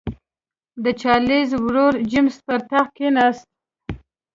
د چارلېز ورور جېمز پر تخت کېناست.